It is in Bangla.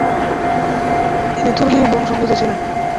তিনি তুর্কি বংশোদ্ভূত ছিলেন।